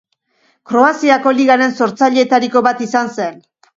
Kroaziako Ligaren sortzaileetariko bat izan zen.